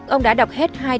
ông đã đọc hết hai truyền